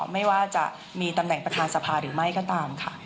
ไม่ว่าจะมีตำแหน่งประธานสภาหรือไม่ก็ตามค่ะ